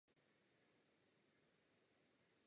Aktivní byl v místních evangelických organizacích.